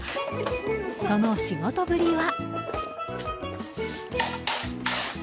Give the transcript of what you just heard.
その仕事ぶりは。